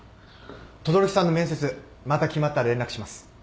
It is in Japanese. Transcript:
轟さんの面接また決まったら連絡します。